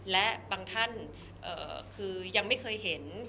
และบางท่านคือยังไม่เคยเห็น